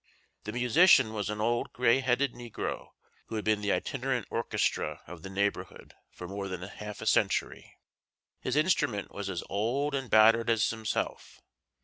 The musician was an old gray headed negro who had been the itinerant orchestra of the neighborhood for more than half a century. His instrument was as old and battered as himself.